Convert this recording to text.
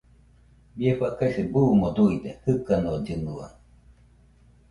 Bie faikase buuno duide jɨkanollɨnua.